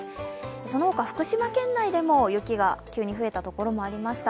そのほか、福島県内でも雪が急に増えたところ、ありました。